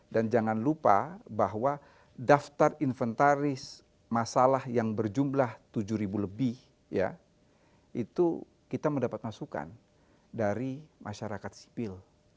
dan jangan lupa bahwa daftar inventaris masalah yang berjumlah tujuh ribu lebih ya itu kita mendapat masukan dari masyarakat sipil